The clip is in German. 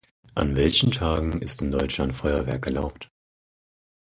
An welchen Tagen ist in Deutschland Feuerwerk erlaubt?